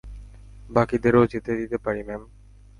বাকীদেরও যেতে দিতে পারি, ম্যাম।